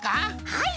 はい！